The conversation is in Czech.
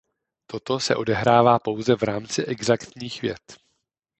Toto se odehrává pouze v rámci exaktních věd.